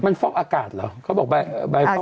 มันฟอกอากาศเหรอเขาบอกใบฟอก